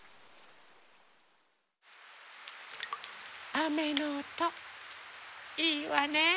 あめのおといいわね。